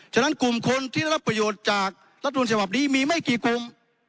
ฉะนั้นกลุ่มคนที่ได้รับประโยชน์จากรัฐมนต์ฉบับนี้มีไม่กี่กลุ่ม